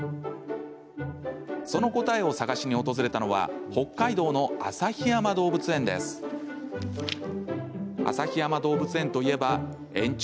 その答えを探しに訪れたのは北海道の旭山動物園です。